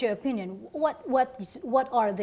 menurut pendapat anda